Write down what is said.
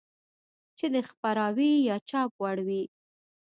چې د خپراوي يا چاپ وړ وي.